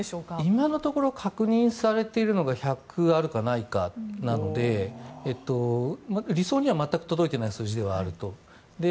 今のところ確認されているのが１００あるかないかくらいなので理想には全く届いてない数字ではあると。